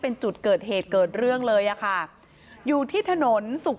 เป็นจุดเกิดเหตุเกิดเรื่องเลยอะค่ะอยู่ที่ถนนสุข